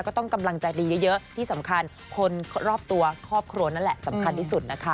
ก็ต้องกำลังใจดีเยอะที่สำคัญคนรอบตัวครอบครัวนั่นแหละสำคัญที่สุดนะคะ